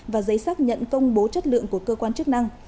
và giấy xác nhận công bố chất lượng của cơ quan chức năng